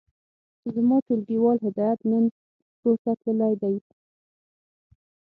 زما ټولګيوال هدايت نن کورته تللی دی.